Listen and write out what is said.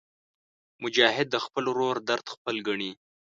مجاهد د خپل ورور درد خپل ګڼي.